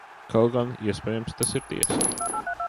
Kaut gan, iespējams, tas ir tiesa.